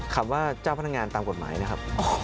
คำว่าเจ้าพนักงานตามกฎหมายนะครับ